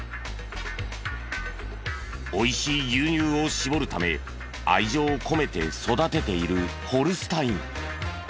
美味しい牛乳を搾るため愛情込めて育てているホルスタイン。